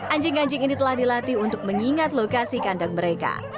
anjing anjing ini telah dilatih untuk mengingat lokasi kandang mereka